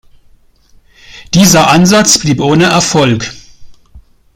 Dieser Ansatz blieb ohne Erfolg.